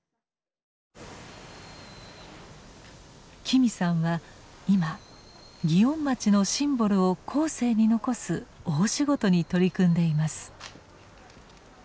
紀美さんは今祇園町のシンボルを後世に残す大仕事に取り組んでいます。